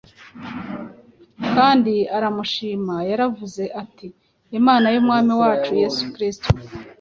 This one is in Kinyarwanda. kandi aramushima. yaravuze ati: “imana y’umwami wacu yesu kristo,